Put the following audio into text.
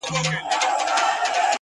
o د کور ټول غړي چوپ دي او وېره لري,